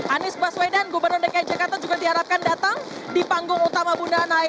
anies baswedan gubernur dki jakarta juga diharapkan datang di panggung utama bunda nai